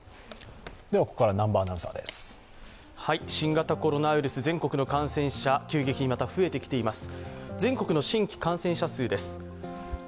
新型コロナウイルス全国の感染者、急激にまた、増えてきています。